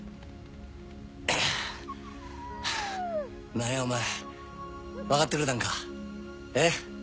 なんやお前分かってくれたんかえっ？